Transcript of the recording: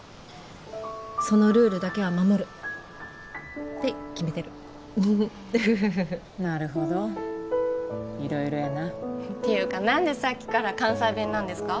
そのルールだけは守るって決めてるなるほど色々やなっていうか何でさっきから関西弁なんですか？